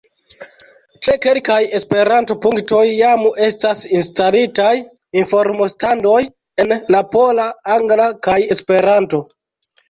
Ĉe kelkaj Esperanto-punktoj jam estas instalitaj informstandoj en la pola, angla kaj Esperanto.